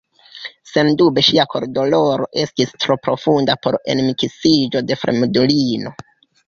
Sendube ŝia kordoloro estis tro profunda por enmiksiĝo de fremdulino.